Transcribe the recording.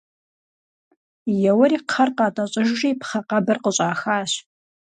Еуэри кхъэр къатӀэщӀыжри пхъэ къэбыр къыщӀахащ.